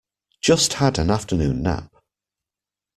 Just had an afternoon nap.